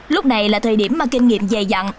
lúc này là thời điểm mà kinh nghiệm dày dặn